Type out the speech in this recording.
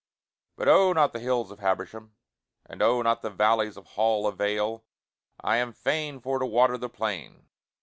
But oh, not the hills of Habersham, And oh, not the valleys of Hall Avail: I am fain for to water the plain.